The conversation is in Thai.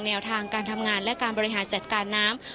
แนวทางการทำงานและการบริหารจัดการน้ำ